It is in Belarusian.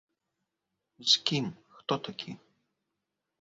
З кім, хто такі?